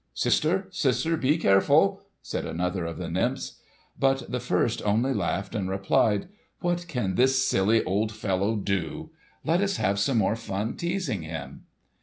"Sister, sister! be careful!" said another of the nymphs. But the first only laughed and replied, "What can this silly old fellow do? Let us have some more fun teasing him!"